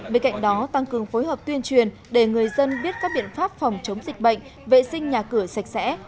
bên cạnh đó tăng cường phối hợp tuyên truyền để người dân biết các biện pháp phòng chống dịch bệnh vệ sinh nhà cửa sạch sẽ